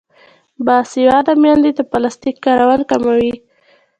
باسواده میندې د پلاستیک کارول کموي.